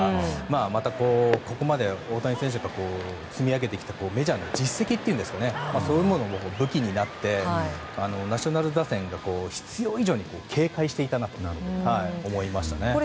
また、ここまで大谷選手が積み上げてきたメジャーでの実績というんですかそういうものも武器になってナショナルズ打線が必要以上に警戒していたなと思いましたね。